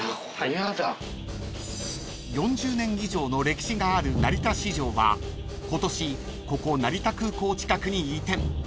［４０年以上の歴史がある成田市場は今年ここ成田空港近くに移転］